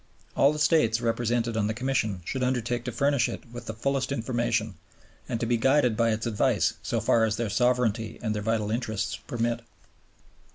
All the States represented on the Commission should undertake to furnish it with the fullest information, and to be guided by its advice so far as their sovereignty and their vital interests permit.